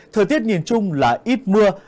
thời tiết nhìn chung là ít mưa